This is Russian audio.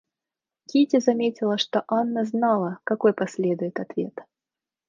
Кити заметила, что Анна знала, какой последует ответ.